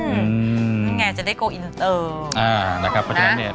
อือมือยนั่งไงจะได้กับอินเราก็น่ะ